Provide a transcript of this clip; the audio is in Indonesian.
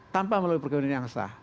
tanpa melalui perkebunan yang sah